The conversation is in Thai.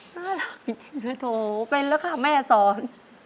น่ารักจริงนะโถเป็นแล้วค่ะแม่สอน